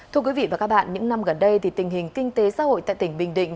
thưa quý vị và các bạn những năm gần đây thì tình hình kinh tế xã hội tại tỉnh bình định